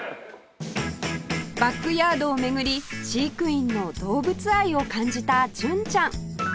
バックヤードを巡り飼育員の動物愛を感じた純ちゃん